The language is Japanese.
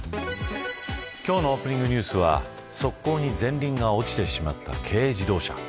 今日のオープニングニュースは側溝に前輪が落ちてしまった軽自動車。